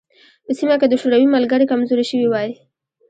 په سیمه کې د شوروي ملګري کمزوري شوي وای.